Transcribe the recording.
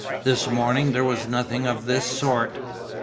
This morning there was nothing of this sort.